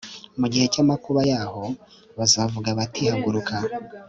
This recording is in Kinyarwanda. mu gihe cy amakuba yabo bazavuga bati Haguruka